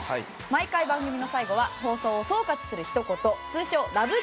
毎回番組の最後は放送を総括するひと言通称ラブ！！